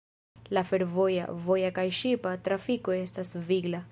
La fervoja, voja kaj ŝipa trafiko estas vigla.